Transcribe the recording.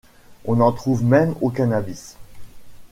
On en trouve même au cannabis.